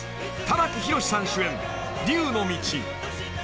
［玉木宏さん主演『竜の道』］